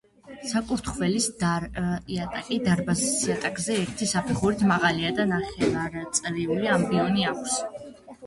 საკურთხევლის იატაკი დარბაზის იატაკზე ერთი საფეხურით მაღალია და ნახევარწრიული ამბიონი აქვს.